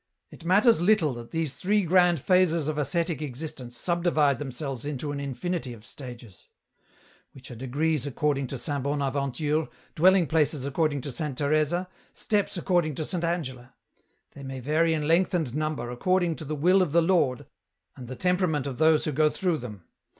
" It matters little that these three grand phases of ascetic existence subdivide themselves into an infinity of stages ; which are degrees according to Saint Bonaventure, dwelling places according to Saint Teresa, steps according to Saint Angela ; they may vary in length and number, accord ing to the will of the Lord and the temperament of those who go through them.